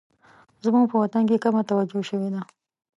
زموږ په وطن کې کمه توجه شوې ده